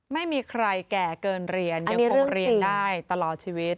ไม่มีใครแก่เกินเรียนยังคงเรียนได้ตลอดชีวิต